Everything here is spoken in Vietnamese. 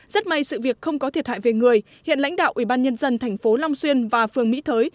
rất may sự việc không có thiệt hại về người hiện lãnh đạo ủy ban nhân dân thành phố long xuyên và phường mỹ thới